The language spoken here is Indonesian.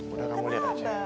udah kamu lihat aja